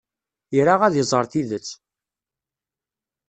Ira ad iẓer tidet.